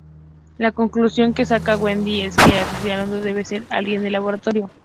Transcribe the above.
La conclusión que saca Wendy es que el asesino debe ser alguien del laboratorio.